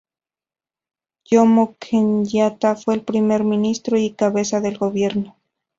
Jomo Kenyatta fue el primer ministro y cabeza del gobierno.